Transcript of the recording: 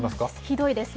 ひどいです。